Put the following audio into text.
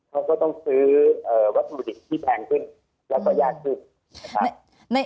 เขาก็ต้องซื้อวัตถุดิบที่แพงขึ้นและประยาทขึ้น